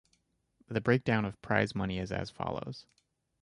The breakdown of prize money is as follows.